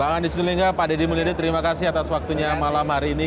bang andi sulingga pak deddy mulyadi terima kasih atas waktunya malam hari ini